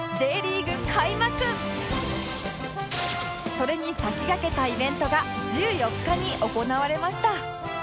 それに先駆けたイベントが１４日に行われました